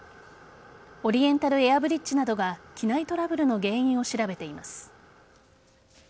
オリエンタルエアブリッジなどが機内トラブルの原因を調べています。